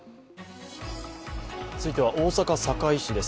続いては、大阪堺市です。